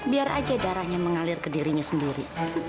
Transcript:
biar aja darahnya mengalir ke dirinya sendiri